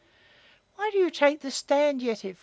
"Why do you take this stand, Yetive?